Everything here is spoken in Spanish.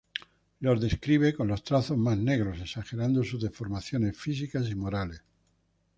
Los describe con los trazos más negros, exagerando sus deformidades físicas y morales.